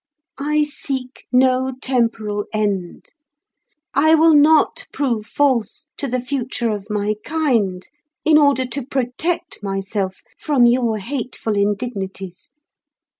I seek no temporal end. I will not prove false to the future of my kind in order to protect myself from your hateful indignities.